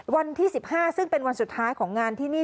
วันที่๑๕ซึ่งเป็นวันสุดท้ายของงานที่นี่